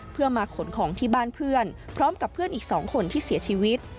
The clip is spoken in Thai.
เพื่อมาขนของที่บ้านเพื่อนพร้อมกับเพื่อนอีก๒คนที่เสียชีวิต